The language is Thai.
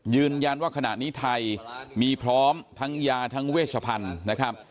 ยืนยันว่าขณะนี้ไทยมีพร้อมทั้งยาทั้งเวชพันธุ์นะครับ